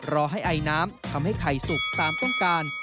รอให้ไอน้ำทำให้ไข่สุกตามต้องการ